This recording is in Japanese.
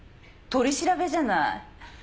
取り調べじゃない。